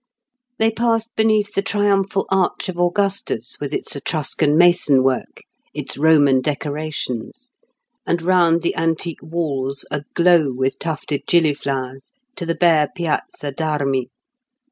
They passed beneath the triumphal arch of Augustus with its Etruscan mason work, its Roman decorations, and round the antique walls, aglow with tufted gillyflowers, to the bare Piazza d'Armi.